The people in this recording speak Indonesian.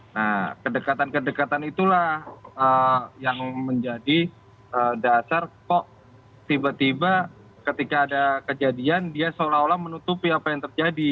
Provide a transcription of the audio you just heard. nah kedekatan kedekatan itulah yang menjadi dasar kok tiba tiba ketika ada kejadian dia seolah olah menutupi apa yang terjadi